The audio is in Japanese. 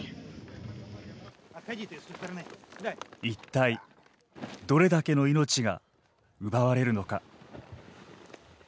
一体どれだけの命が奪われるのか。